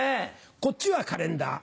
こっちはカレンダー。